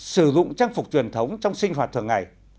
sử dụng trang phục truyền thống trong sinh hoạt thường ngày